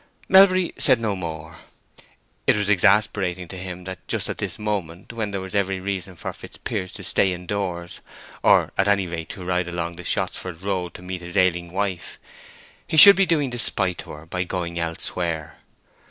Melbury said no more. It was exasperating to him that just at this moment, when there was every reason for Fitzpiers to stay indoors, or at any rate to ride along the Shottsford road to meet his ailing wife, he should be doing despite to her by going elsewhere.